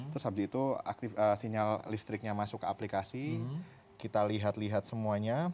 terus habis itu sinyal listriknya masuk ke aplikasi kita lihat lihat semuanya